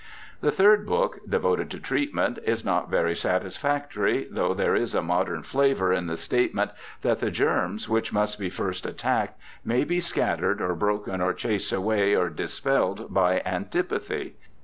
The third book, devoted to treatment, is not very satisfactory, though there is a modern flavour in the statement that the germs, which must be first attacked, may be scattered or broken or chased away or dis pelled by antipathy.